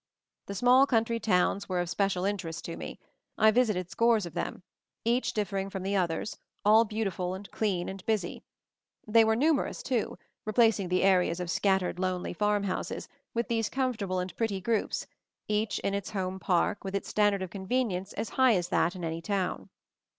The small country towns were of special interest to me; I visited scores of them; each differing from the others, all beautiful and clean and busy. They were numerous too; replacing the areas of scattered lonely farmhouses, with these comfortable and pretty groups, each in its home park, with its standard of convenience as high as that in anyjown.